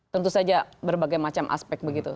tentu saja berbagai macam aspek begitu